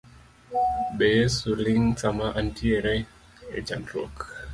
Be Yeso ling sama antiere e chandruok